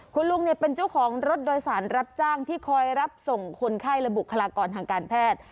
คุณลุงเป็นเจ้าของรถโดยสารรับจ้างที่คอยรับส่งคนไข้และบุคลากรทางการแพทย์